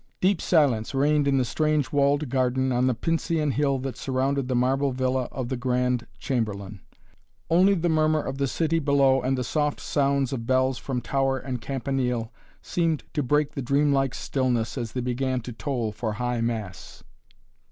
Deep silence reigned in the strange walled garden on the Pincian Hill that surrounded the marble villa of the Grand Chamberlain. Only the murmur of the city below and the soft sounds of bells from tower and campanile seemed to break the dreamlike stillness as they began to toll for High Mass.